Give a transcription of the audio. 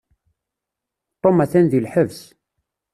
Tom atan deg lḥebs.